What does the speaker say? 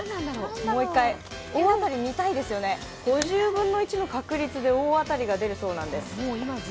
大当たりみたいですよね、５０分の１の確率で大当たりが出るそうです。